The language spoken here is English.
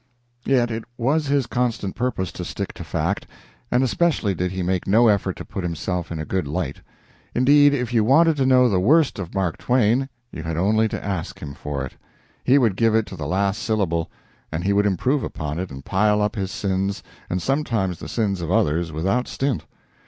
Yet it was his constant purpose to stick to fact, and especially did he make no effort to put himself in a good light. Indeed, if you wanted to know the worst of Mark Twain you had only to ask him for it. He would give it to the last syllable, and he would improve upon it and pile up his sins, and sometimes the sins of others, without stint.